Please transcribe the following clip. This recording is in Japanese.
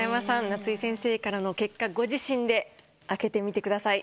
夏井先生からの結果ご自身で開けてみてください。